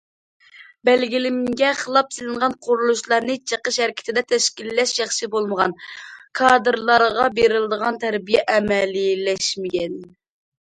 بەلگىلىمىگە خىلاپ سېلىنغان قۇرۇلۇشلارنى چېقىش ھەرىكىتىدە تەشكىللەش ياخشى بولمىغان، كادىرلارغا بېرىلىدىغان تەربىيە ئەمەلىيلەشمىگەن.